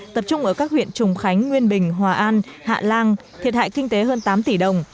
tập trung ở các huyện trùng khánh nguyên bình hòa an hạ lan thiệt hại kinh tế hơn tám tỷ đồng